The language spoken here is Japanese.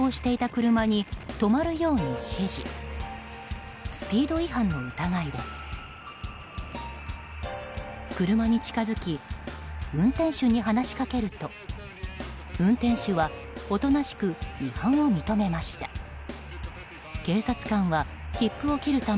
車に近づき運転手に話しかけると運転手はおとなしく違反を認めました。